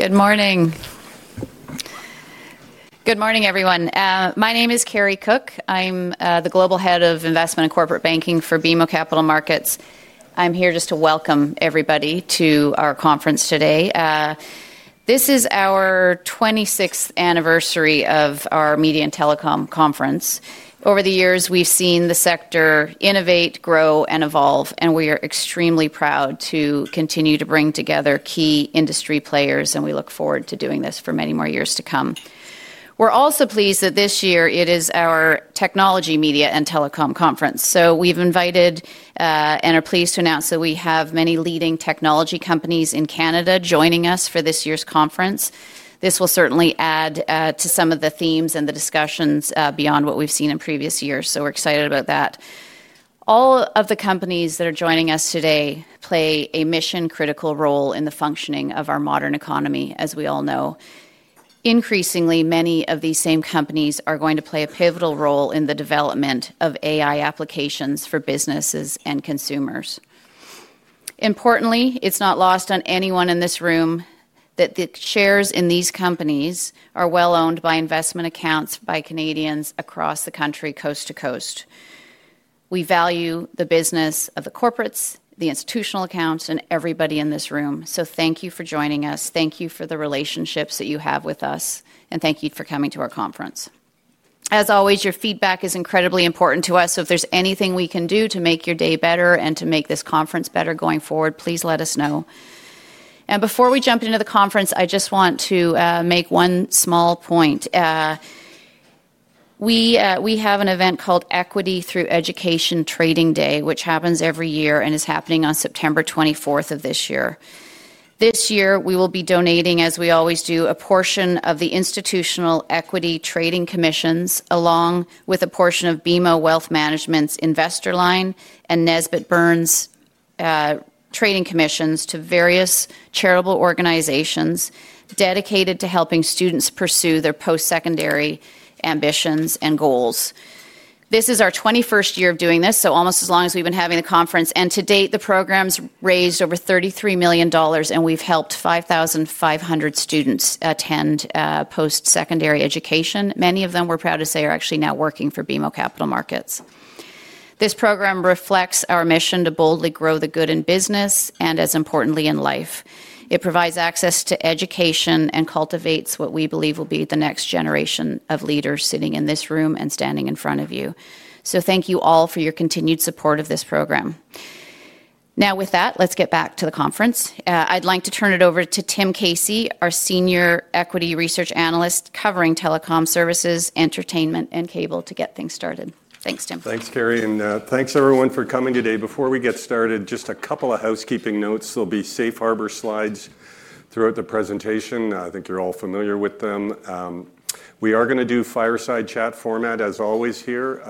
Good morning. Good morning, everyone. My name is Carrie Cook. I'm the Global Head of Investment and Corporate Banking for BMO Capital Markets. I'm here just to welcome everybody to our conference today. This is our 26th anniversary of our media and telecom conference. Over the years, we've seen the sector innovate, grow, and evolve, and we are extremely proud to continue to bring together key industry players, and we look forward to doing this for many more years to come. We're also pleased that this year it is our technology, media, and telecom conference. We've invited and are pleased to announce that we have many leading technology companies in Canada joining us for this year's conference. This will certainly add to some of the themes and the discussions beyond what we've seen in previous years, and we're excited about that. All of the companies that are joining us today play a mission-critical role in the functioning of our modern economy, as we all know. Increasingly, many of these same companies are going to play a pivotal role in the development of AI applications for businesses and consumers. Importantly, it's not lost on anyone in this room that the shares in these companies are well owned by investment accounts by Canadians across the country, coast to coast. We value the business of the corporates, the institutional accounts, and everybody in this room. Thank you for joining us. Thank you for the relationships that you have with us, and thank you for coming to our conference. As always, your feedback is incredibly important to us. If there's anything we can do to make your day better and to make this conference better going forward, please let us know. Before we jump into the conference, I just want to make one small point. We have an event called Equity Through Education Trading Day, which happens every year and is happening on September 24 of this year. This year, we will be donating, as we always do, a portion of the Institutional Equity Trading Commissions, along with a portion of BMO Wealth Management's Investor Line and Nesbitt Burns Trading Commissions to various charitable organizations dedicated to helping students pursue their post-secondary ambitions and goals. This is our 21st year of doing this, almost as long as we've been having the conference. To date, the program's raised over $33 million, and we've helped 5,500 students attend post-secondary education. Many of them, we're proud to say, are actually now working for BMO Capital Markets. This program reflects our mission to boldly grow the good in business and, as importantly, in life. It provides access to education and cultivates what we believe will be the next generation of leaders sitting in this room and standing in front of you. Thank you all for your continued support of this program. Now, with that, let's get back to the conference. I'd like to turn it over to Tim Casey, our Senior Equity Research Analyst, covering telecom services, entertainment, and cable to get things started. Thanks, Tim. Thanks, Carrie, and thanks, everyone, for coming today. Before we get started, just a couple of housekeeping notes. There'll be safe harbor slides throughout the presentation. I think you're all familiar with them. We are going to do fireside chat format, as always, here.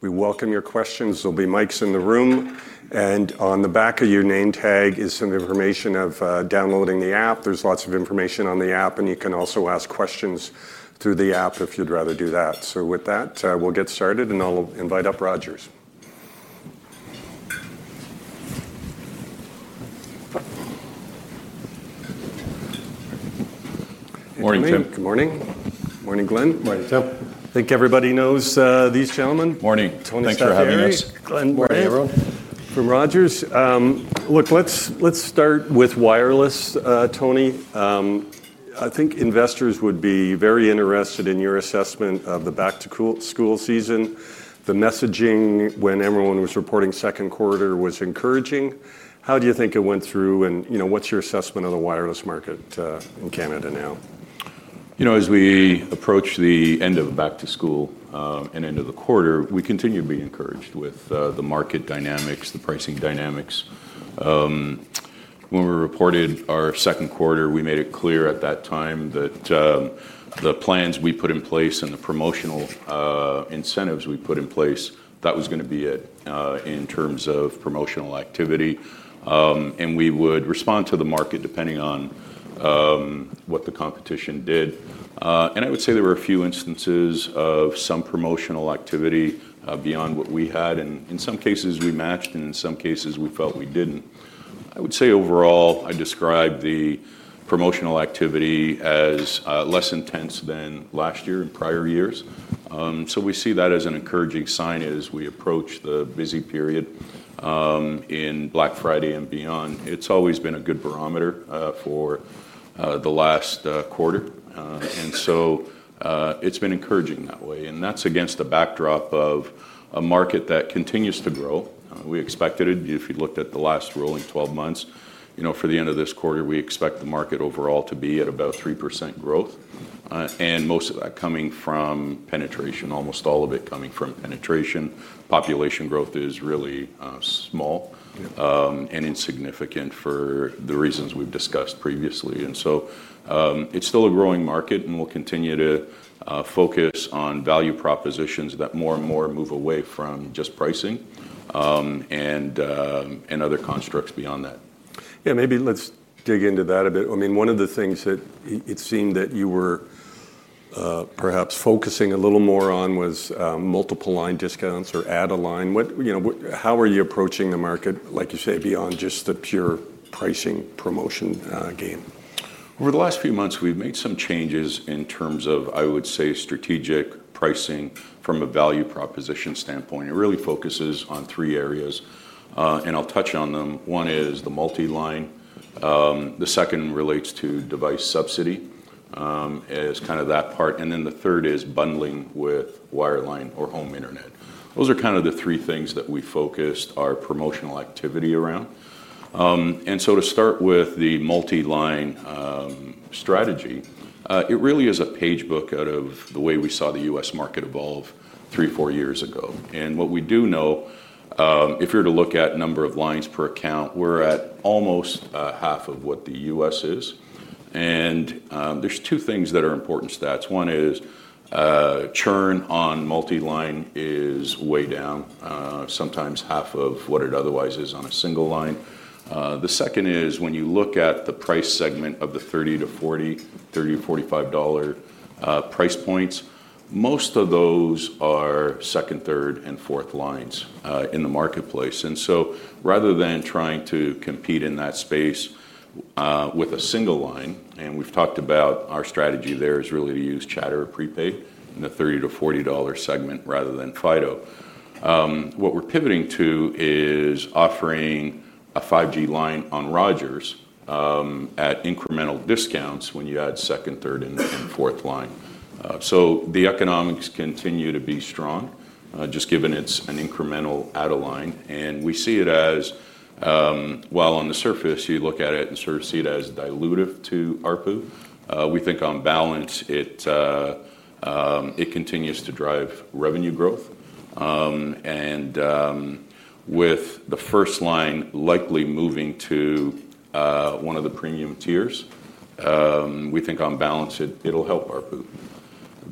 We welcome your questions. There'll be mics in the room, and on the back of your name tag is some information on downloading the app. There's lots of information on the app, and you can also ask questions through the app if you'd rather do that. With that, we'll get started, and I'll invite up Rogers Communications. Morning, Tim. Morning. Morning, Glenn. Morning, Tim. I think everybody knows these gentlemen. Morning. Tony, thanks for having us. Morning, Glenn. Morning, everyone. From Rogers. Look, let's start with wireless, Tony. I think investors would be very interested in your assessment of the back-to-school season. The messaging when everyone was reporting second quarter was encouraging. How do you think it went through, and what's your assessment of the wireless market? You know. As we approach the end of the back-to-school and end of the quarter, we continue to be encouraged with the market dynamics, the pricing dynamics. When we reported our second quarter, we made it clear at that time that the plans we put in place and the promotional incentives we put in place, that was going to be it in terms of promotional activity. We would respond to the market depending on what the competition did. I would say there were a few instances of some promotional activity beyond what we had. In some cases, we matched, and in some cases, we felt we didn't. I would say overall, I describe the promotional activity as less intense than last year and prior years. We see that as an encouraging sign as we approach the busy period in Black Friday and beyond. It's always been a good barometer for the last quarter, and it's been encouraging that way. That's against the backdrop of a market that continues to grow. We expected it. If you looked at the last rolling 12 months, for the end of this quarter, we expect the market overall to be at about 3% growth, and most of that coming from penetration, almost all of it coming from penetration. Population growth is really small and insignificant for the reasons we've discussed previously. It's still a growing market, and we'll continue to focus on value propositions that more and more move away from just pricing and other constructs beyond that. Yeah, maybe let's dig into that a bit. I mean, one of the things that it seemed that you were perhaps focusing a little more on was multi-line discounts or add a line. How are you approaching the market, like you say, beyond just the pure pricing promotion game? Over the last few months, we've made some changes in terms of, I would say, strategic pricing from a value proposition standpoint. It really focuses on three areas, and I'll touch on them. One is the multi-line. The second relates to device subsidy as kind of that part. The third is bundling with wireline or home internet. Those are the three things that we focused our promotional activity around. To start with the multi-line strategy, it really is a page book out of the way we saw the U.S. market evolve three, four years ago. What we do know, if you were to look at the number of lines per account, we're at almost half of what the U.S. is. There are two things that are important stats. One is churn on multi-line is way down, sometimes half of what it otherwise is on a single line. The second is when you look at the price segment of the $30 to $40, $30 to $45 price points, most of those are second, third, and fourth lines in the marketplace. Rather than trying to compete in that space with a single line, and we've talked about our strategy there, it is really to use Chatr or prepaid in the $30 to $40 segment rather than Fido. What we're pivoting to is offering a 5G line on Rogers at incremental discounts when you add second, third, and fourth line. The economics continue to be strong, just given it's an incremental add-a-line. We see it as, while on the surface you look at it and sort of see it as dilutive to ARPU, we think on balance it continues to drive revenue growth. With the first line likely moving to one of the premium tiers, we think on balance it'll help ARPU.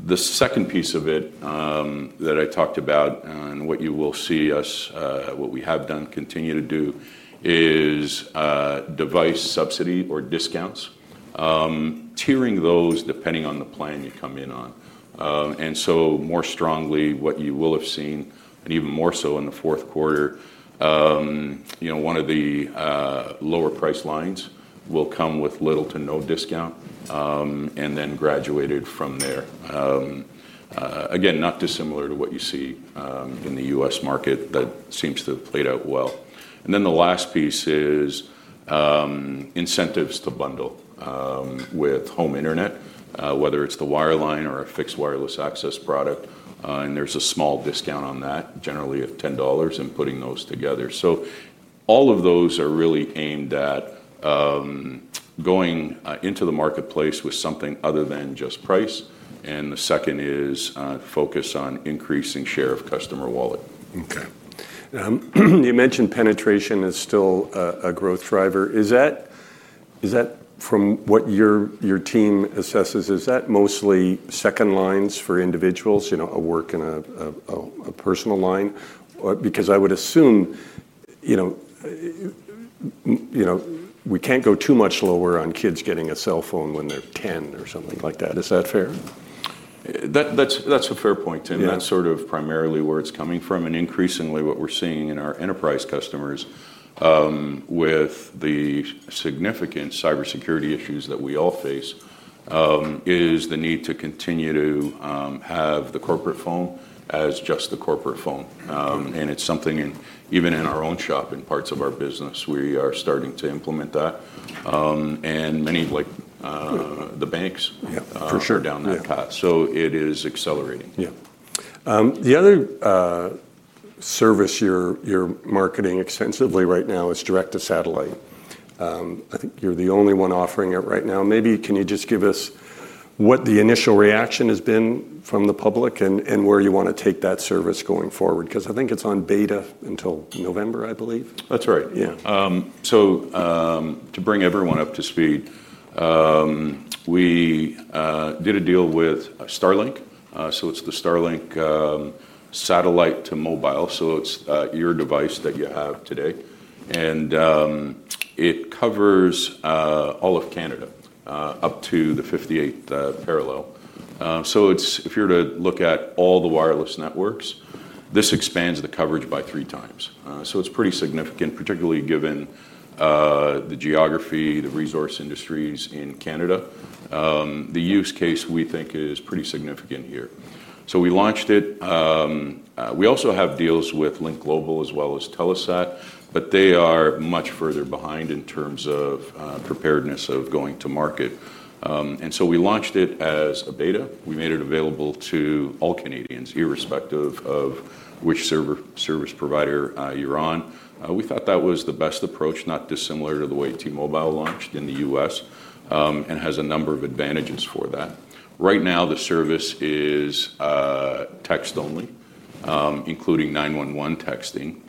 The second piece of it that I talked about and what you will see us, what we have done, continue to do is device subsidy or discounts, tiering those depending on the plan you come in on. More strongly, what you will have seen, and even more so in the fourth quarter, one of the lower price lines will come with little to no discount and then graduated from there. Again, not dissimilar to what you see in the U.S. market that seems to have played out well. The last piece is incentives to bundle with home internet, whether it's the wireline or a fixed wireless access product. There's a small discount on that, generally of $10 in putting those together. All of those are really aimed at going into the marketplace with something other than just price. The second is focus on increasing share of customer wallet. OK. You mentioned penetration is still a growth driver. Is that, from what your team assesses, mostly second lines for individuals, a work and a personal line? I would assume we can't go too much lower on kids getting a cell phone when they're 10 or something like that. Is that fair? That's a fair point, Tim. That's sort of primarily where it's coming from. Increasingly, what we're seeing in our enterprise customers with the significant cybersecurity issues that we all face is the need to continue to have the corporate phone as just the corporate phone. It's something even in our own shop and parts of our business, we are starting to implement that. Many of the banks are down that path. It is accelerating. Yeah. The other service you're marketing extensively right now is direct-to-satellite. I think you're the only one offering it right now. Maybe can you just give us what the initial reaction has been from the public and where you want to take that service going forward? I think it's on beta until November, I believe. That's right, yeah. To bring everyone up to speed, we did a deal with Starlink. It's the Starlink satellite to mobile, so it's your device that you have today, and it covers all of Canada up to the 58th parallel. If you were to look at all the wireless networks, this expands the coverage by three times. It's pretty significant, particularly given the geography and the resource industries in Canada. The use case, we think, is pretty significant here. We launched it. We also have deals with LinkGlobal as well as Telesat, but they are much further behind in terms of preparedness of going to market. We launched it as a beta. We made it available to all Canadians, irrespective of which service provider you're on. We thought that was the best approach, not dissimilar to the way T-Mobile launched in the U.S. and has a number of advantages for that. Right now, the service is text only, including 911 texting.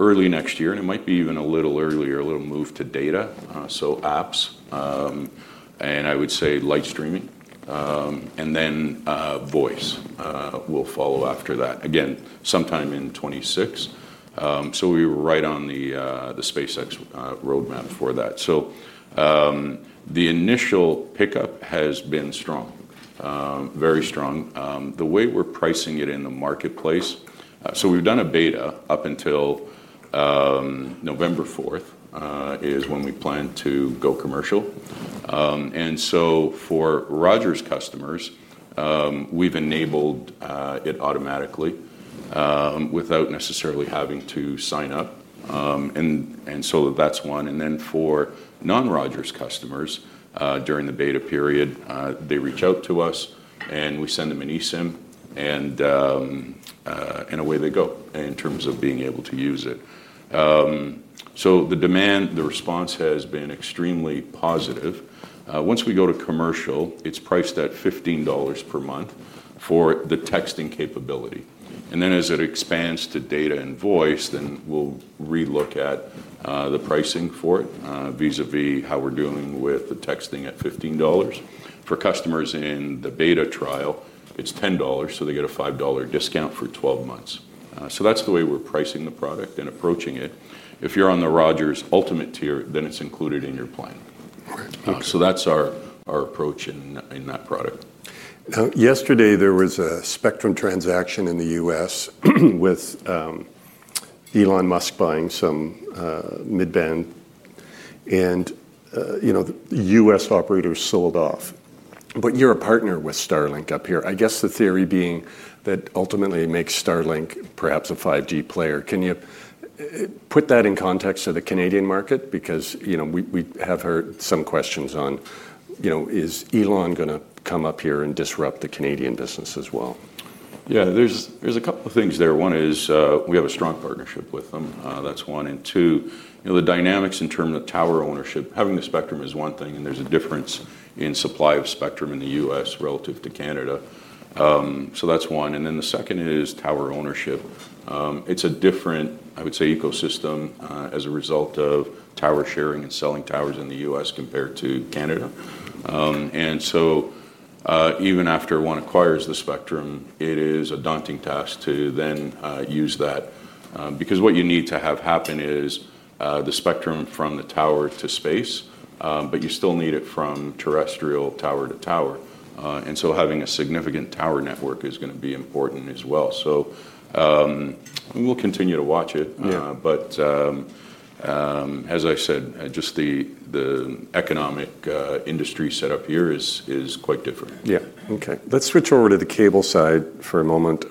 Early next year, and it might be even a little earlier, it'll move to data, so apps, and I would say live streaming, and then voice will follow after that, again, sometime in 2026. We were right on the SpaceX roadmap for that. The initial pickup has been strong, very strong. The way we're pricing it in the marketplace, we've done a beta up until November 4, which is when we plan to go commercial. For Rogers customers, we've enabled it automatically without necessarily having to sign up. That's one. For non-Rogers customers, during the beta period, they reach out to us, and we send them an eSIM, and away they go in terms of being able to use it. The demand, the response has been extremely positive. Once we go to commercial, it's priced at $15 per month for the texting capability. As it expands to data and voice, then we'll relook at the pricing for it vis-à-vis how we're doing with the texting at $15. For customers in the beta trial, it's $10, so they get a $5 discount for 12 months. That's the way we're pricing the product and approaching it. If you're on the Rogers Ultimate tier, then it's included in your plan. That's our approach in that product. Yesterday, there was a spectrum transaction in the U.S. with Elon Musk buying some mid-band, and U.S. operators sold off. You're a partner with Starlink up here. I guess the theory being that ultimately it makes Starlink perhaps a 5G player. Can you put that in context to the Canadian market? We have heard some questions on, is Elon going to come up here and disrupt the Canadian business as well? Yeah, there's a couple of things there. One is we have a strong partnership with them, that's one. Two, the dynamics in terms of tower ownership. Having the spectrum is one thing, and there's a difference in supply of spectrum in the U.S. relative to Canada, so that's one. The second is tower ownership. It's a different, I would say, ecosystem as a result of tower sharing and selling towers in the U.S. compared to Canada. Even after one acquires the spectrum, it is a daunting task to then use that because what you need to have happen is the spectrum from the tower to space, but you still need it from terrestrial tower to tower. Having a significant tower network is going to be important as well. We will continue to watch it. As I said, just the economic industry setup here is quite different. Yeah, OK. Let's switch over to the cable side for a moment.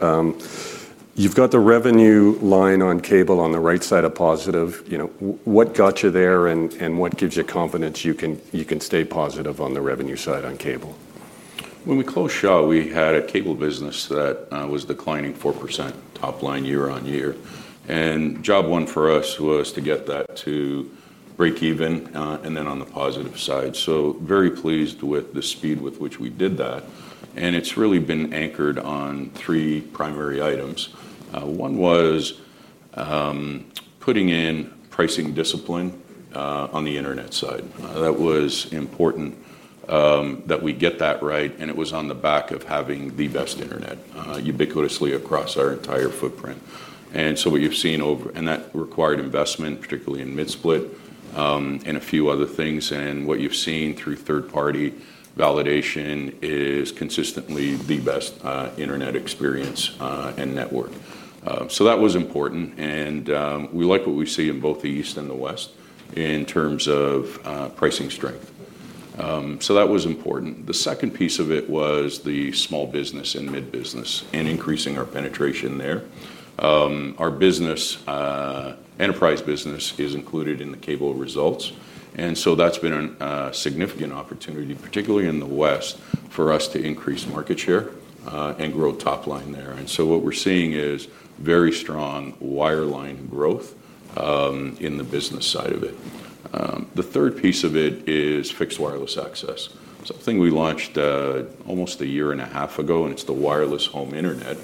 You've got the revenue line on cable on the right side of positive. What got you there, and what gives you confidence you can stay positive on the revenue side on cable? When we closed Shaw, we had a cable business that was declining 4% top line year on year. Job one for us was to get that to break even and then on the positive side. Very pleased with the speed with which we did that. It's really been anchored on three primary items. One was putting in pricing discipline on the internet side. That was important that we get that right, and it was on the back of having the best internet ubiquitously across our entire footprint. What you've seen, and that required investment, particularly in mid-split and a few other things, and what you've seen through third-party validation is consistently the best internet experience and network. That was important. We like what we see in both the East and the West in terms of pricing strength. That was important. The second piece of it was the small business and mid-business and increasing our penetration there. Our enterprise business is included in the cable results. That's been a significant opportunity, particularly in the West, for us to increase market share and grow top line there. What we're seeing is very strong wireline growth in the business side of it. The third piece of it is fixed wireless access, something we launched almost a year and a half ago, and it's the wireless home internet.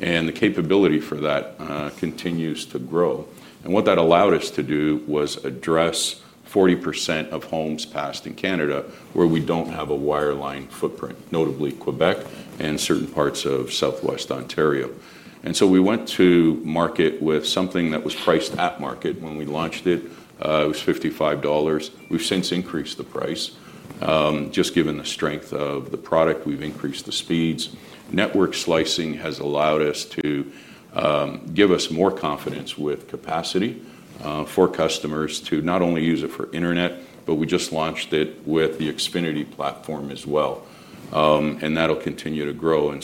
The capability for that continues to grow. What that allowed us to do was address 40% of homes passed in Canada where we don't have a wireline footprint, notably Quebec and certain parts of Southwest Ontario. We went to market with something that was priced at market. When we launched it, it was $55. We've since increased the price just given the strength of the product. We've increased the speeds. Network slicing has allowed us to give us more confidence with capacity for customers to not only use it for internet, but we just launched it with the Xfinity platform as well. That'll continue to grow.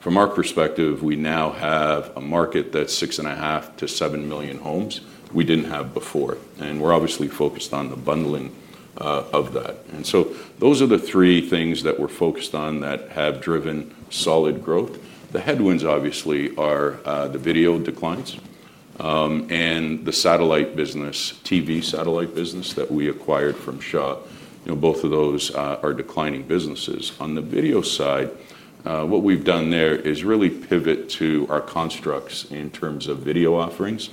From our perspective, we now have a market that's 6.5 to 7 million homes we didn't have before. We're obviously focused on the bundling of that. Those are the three things that we're focused on that have driven solid growth. The headwinds, obviously, are the video declines and the satellite business, TV satellite business that we acquired from Shaw. Both of those are declining businesses. On the video side, what we've done there is really pivot to our constructs in terms of video offerings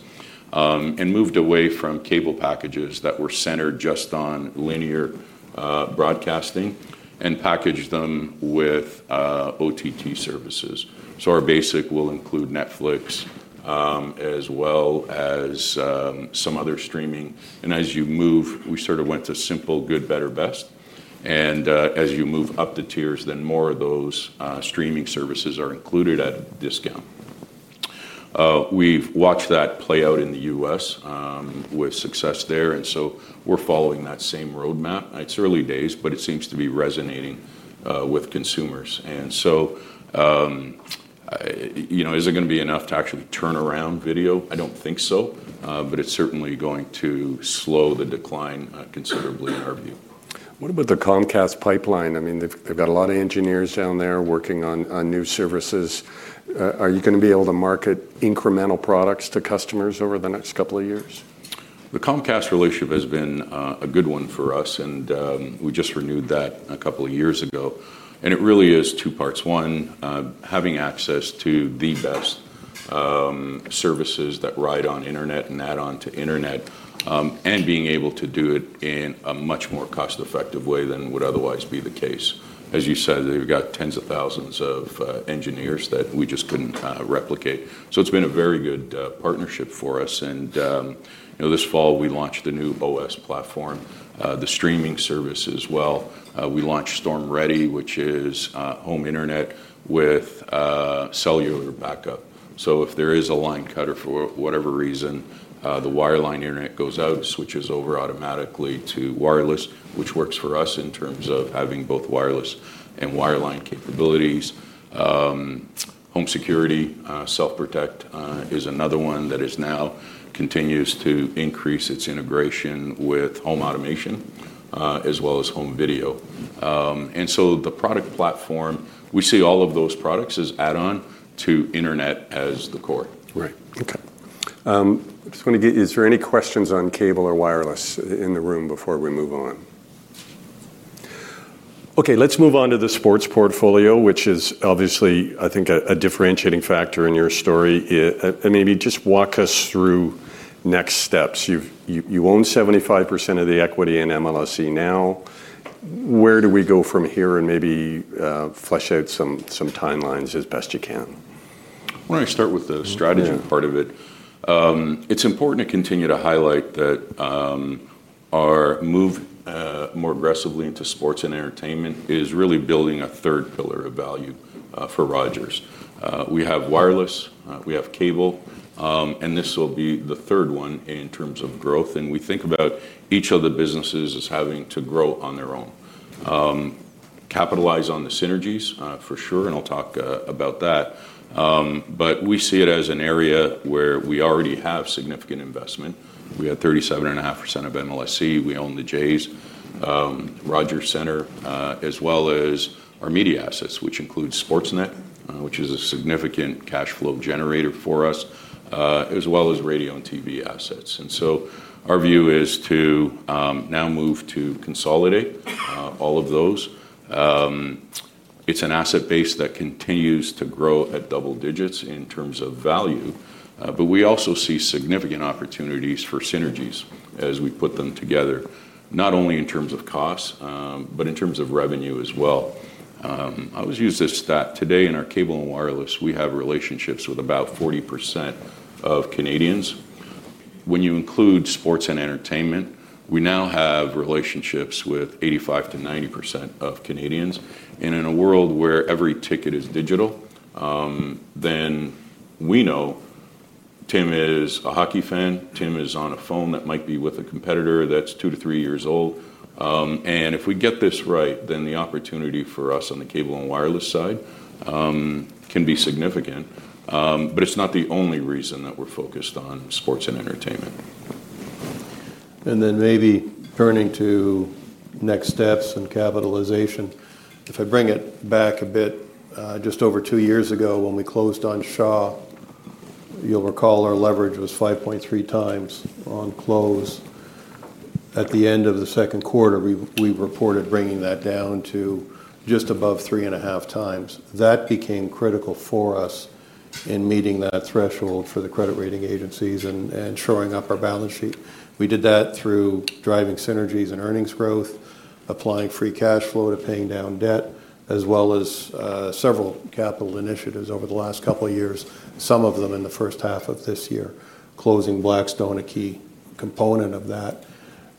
and moved away from cable packages that were centered just on linear broadcasting and packaged them with OTT services. Our basic will include Netflix as well as some other streaming. As you move, we sort of went to simple, good, better, best. As you move up the tiers, more of those streaming services are included at a discount. We've watched that play out in the U.S. with success there. We are following that same roadmap. It's early days, but it seems to be resonating with consumers. Is it going to be enough to actually turn around video? I don't think so, but it's certainly going to slow the decline considerably in our view. What about the Comcast pipeline? I mean, they've got a lot of engineers down there working on new services. Are you going to be able to market incremental products to customers over the next couple of years? The Comcast relationship has been a good one for us, and we just renewed that a couple of years ago. It really is two parts. One, having access to the best services that ride on internet and add on to internet and being able to do it in a much more cost-effective way than would otherwise be the case. As you said, they've got tens of thousands of engineers that we just couldn't replicate. It's been a very good partnership for us. This fall, we launched the new OS platform, the streaming service as well. We launched Storm Ready, which is home internet with cellular backup. If there is a line cutter for whatever reason, the wireline internet goes out, it switches over automatically to wireless, which works for us in terms of having both wireless and wireline capabilities. Home security, Self Protect, is another one that now continues to increase its integration with home automation as well as home video. The product platform, we see all of those products as add-on to internet as the core. Right. OK. I just want to get, is there any questions on cable or wireless in the room before we move on? OK, let's move on to the sports portfolio, which is obviously, I think, a differentiating factor in your story. Maybe just walk us through next steps. You own 75% of the equity in MLSE now. Where do we go from here? Maybe flesh out some timelines as best you can. I want to start with the strategy part of it. It's important to continue to highlight that our move more aggressively into sports and entertainment is really building a third pillar of value for Rogers. We have wireless, we have cable, and this will be the third one in terms of growth. We think about each of the businesses as having to grow on their own, capitalize on the synergies for sure, and I'll talk about that. We see it as an area where we already have significant investment. We have 37.5% of MLSE. We own the Jays, Rogers Centre, as well as our media assets, which includes SportsNet, which is a significant cash flow generator for us, as well as radio and TV assets. Our view is to now move to consolidate all of those. It's an asset base that continues to grow at double digits in terms of value. We also see significant opportunities for synergies as we put them together, not only in terms of costs, but in terms of revenue as well. I always use this stat. Today, in our cable and wireless, we have relationships with about 40% of Canadians. When you include sports and entertainment, we now have relationships with 85% to 90% of Canadians. In a world where every ticket is digital, we know Tim is a hockey fan, Tim is on a phone that might be with a competitor that's two to three years old. If we get this right, the opportunity for us on the cable and wireless side can be significant. It's not the only reason that we're focused on sports and entertainment. Turning to next steps and capitalization, if I bring it back a bit, just over two years ago, when we closed on Shaw, you'll recall our leverage was 5.3 times on close. At the end of the second quarter, we reported bringing that down to just above 3.5 times. That became critical for us in meeting that threshold for the credit rating agencies and shoring up our balance sheet. We did that through driving synergies and earnings growth, applying free cash flow to paying down debt, as well as several capital initiatives over the last couple of years, some of them in the first half of this year, closing Blackstone, a key component of that.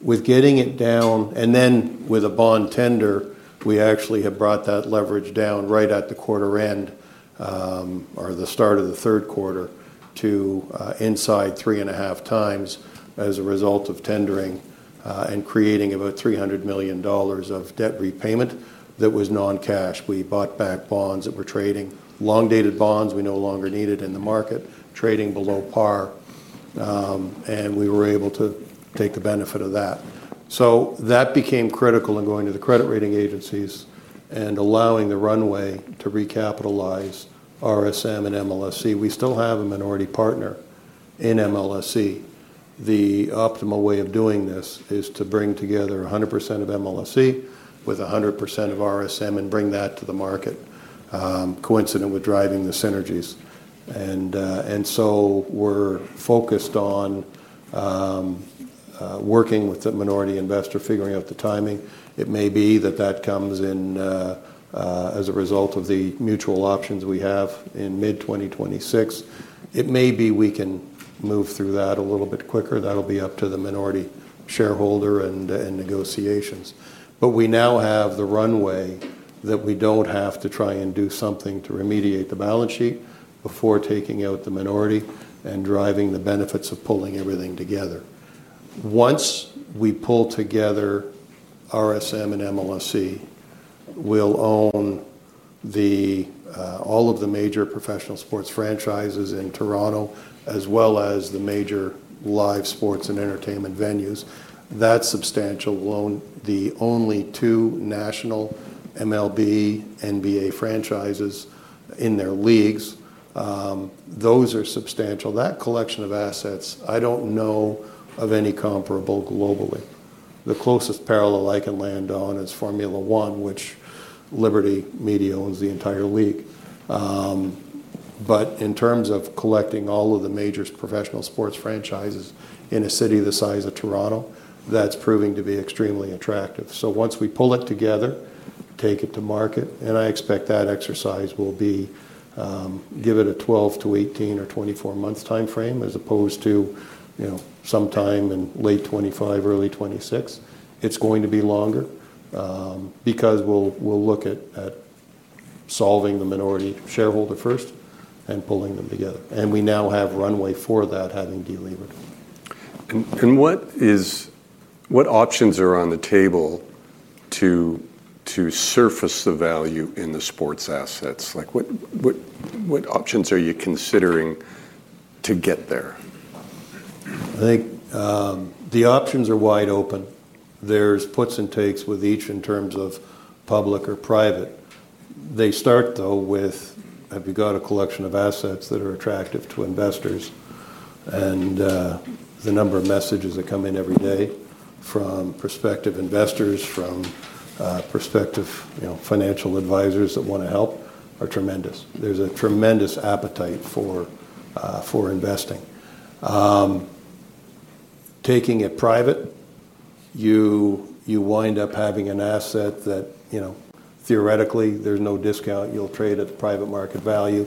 With getting it down and then with a bond tender, we actually have brought that leverage down right at the quarter end or the start of the third quarter to inside 3.5 times as a result of tendering and creating about $300 million of debt repayment that was non-cash. We bought back bonds that were trading, long-dated bonds we no longer needed in the market, trading below par, and we were able to take the benefit of that. That became critical in going to the credit rating agencies and allowing the runway to recapitalize RSM and Maple Leaf Sports & Entertainment. We still have a minority partner in Maple Leaf Sports & Entertainment. The optimal way of doing this is to bring together 100% of Maple Leaf Sports & Entertainment with 100% of RSM and bring that to the market, coincident with driving the synergies. We're focused on working with the minority investor, figuring out the timing. It may be that that comes in as a result of the mutual options we have in mid-2026. It may be we can move through that a little bit quicker. That'll be up to the minority shareholder and negotiations. We now have the runway that we don't have to try and do something to remediate the balance sheet before taking out the minority and driving the benefits of pulling everything together. Once we pull together RSM and Maple Leaf Sports & Entertainment, we'll own all of the major professional sports franchises in Toronto, as well as the major live sports and entertainment venues. That's substantial. We'll own the only two national MLB and NBA franchises in their leagues. Those are substantial. That collection of assets, I don't know of any comparable globally. The closest parallel I can land on is Formula One, which Liberty Media owns the entire league. In terms of collecting all of the major professional sports franchises in a city the size of Toronto, that's proving to be extremely attractive. Once we pull it together, take it to market, I expect that exercise will be, give it a 12 to 18 or 24 months time frame as opposed to some time in late 2025, early 2026. It's going to be longer because we'll look at solving the minority shareholder first and pulling them together. We now have runway for that having delivered. What options are on the table to surface the value in the sports assets? What options are you considering to get there? I think the options are wide open. There's puts and takes with each in terms of public or private. They start, though, with, have you got a collection of assets that are attractive to investors? The number of messages that come in every day from prospective investors, from prospective financial advisors that want to help, are tremendous. There's a tremendous appetite for investing. Taking it private, you wind up having an asset that, you know, theoretically, there's no discount. You'll trade at the private market value.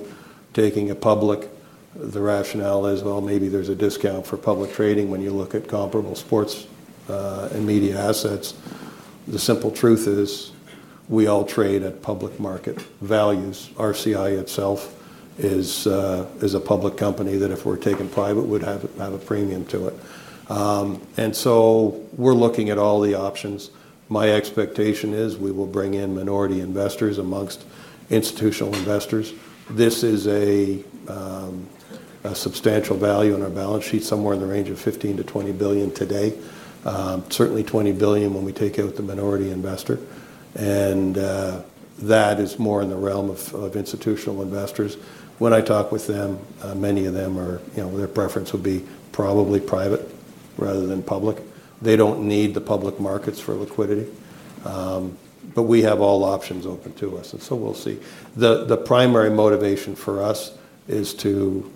Taking it public, the rationale is, well, maybe there's a discount for public trading when you look at comparable sports and media assets. The simple truth is we all trade at public market values. Rogers Communications itself is a public company that if we're taken private, would have a premium to it. We are looking at all the options. My expectation is we will bring in minority investors amongst institutional investors. This is a substantial value on our balance sheet, somewhere in the range of $15 billion to $20 billion today, certainly $20 billion when we take out the minority investor. That is more in the realm of institutional investors. When I talk with them, many of them, their preference would be probably private rather than public. They don't need the public markets for liquidity. We have all options open to us. We'll see. The primary motivation for us is to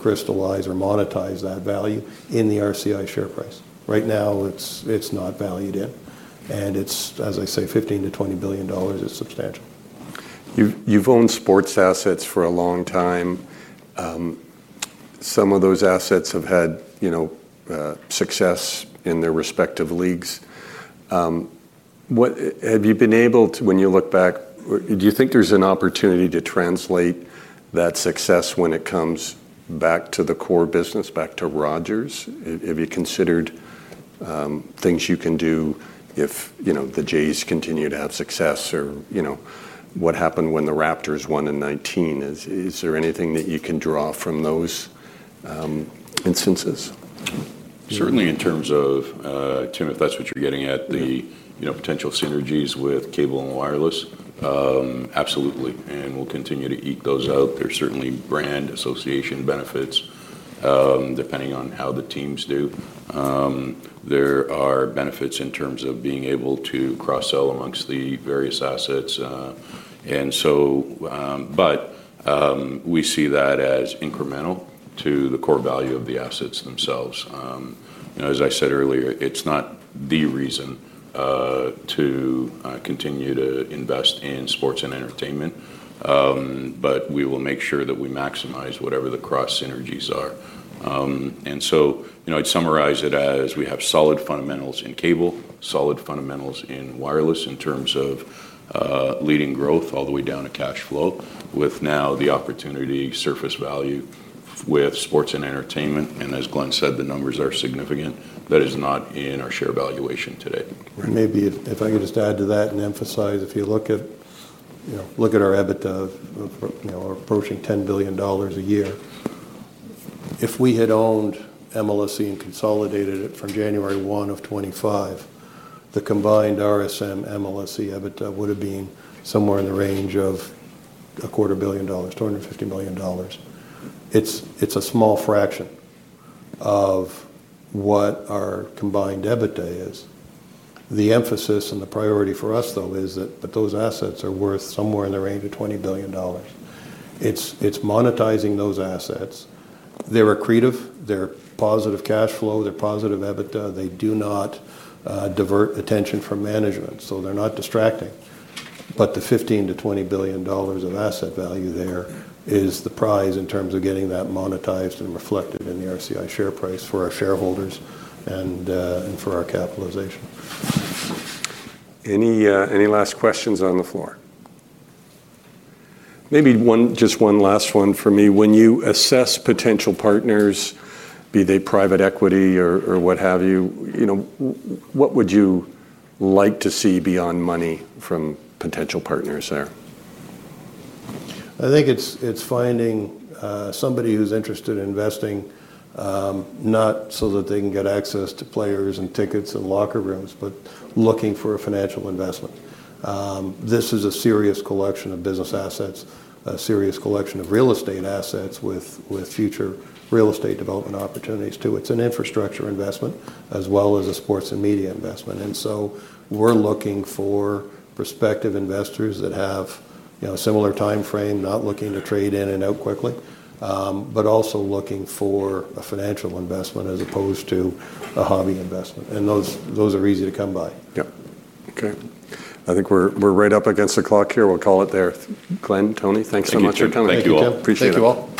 crystallize or monetize that value in the Rogers Communications share price. Right now, it's not valued yet. As I say, $15 billion to $20 billion is substantial. You've owned sports assets for a long time. Some of those assets have had success in their respective leagues. Have you been able to, when you look back, do you think there's an opportunity to translate that success when it comes back to the core business, back to Rogers? Have you considered things you can do if the Jays continue to have success? What happened when the Raptors won in 2019? Is there anything that you can draw from those instances? Certainly in terms of, Tim, if that's what you're getting at, the potential synergies with cable and wireless, absolutely. We'll continue to eke those out. There are certainly brand association benefits, depending on how the teams do. There are benefits in terms of being able to cross-sell amongst the various assets. We see that as incremental to the core value of the assets themselves. As I said earlier, it's not the reason to continue to invest in sports and entertainment. We will make sure that we maximize whatever the cross synergies are. I'd summarize it as we have solid fundamentals in cable, solid fundamentals in wireless in terms of leading growth all the way down to cash flow, with now the opportunity to surface value with sports and entertainment. As Glenn said, the numbers are significant. That is not in our share valuation today. Right. Maybe if I could just add to that and emphasize, if you look at our EBITDA of approaching $10 billion a year, if we had owned Maple Leaf Sports & Entertainment and consolidated it from January 1 of 2025, the combined Rogers Communications Maple Leaf Sports & Entertainment EBITDA would have been somewhere in the range of a quarter billion dollars, $250 million. It's a small fraction of what our combined EBITDA is. The emphasis and the priority for us, though, is that those assets are worth somewhere in the range of $20 billion. It's monetizing those assets. They're accretive. They're positive cash flow. They're positive EBITDA. They do not divert attention from management. They're not distracting. The $15 to $20 billion of asset value there is the prize in terms of getting that monetized and reflected in the Rogers Communications share price for our shareholders and for our capitalization. Any last questions on the floor? Maybe just one last one for me. When you assess potential partners, be they private equity or what have you, what would you like to see beyond money from potential partners there? I think it's finding somebody who's interested in investing, not so that they can get access to players and tickets and locker rooms, but looking for a financial investment. This is a serious collection of business assets, a serious collection of real estate assets with future real estate development opportunities too. It's an infrastructure investment as well as a sports and media investment. We're looking for prospective investors that have a similar time frame, not looking to trade in and out quickly, but also looking for a financial investment as opposed to a hobby investment. Those are easy to come by. OK. I think we're right up against the clock here. We'll call it there. Glenn, Tony, thanks so much for coming. Thank you all. Appreciate it. Thank you all.